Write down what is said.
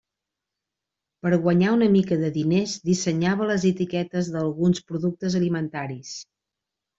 Per guanyar una mica de diners, dissenyava les etiquetes d'alguns productes alimentaris.